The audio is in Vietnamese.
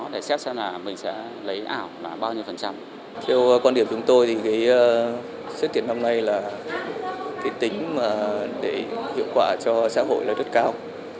theo quan điểm chúng tôi thì cái xét tuyển năm nay là cái tính để hiệu quả cho xã hội là rất cao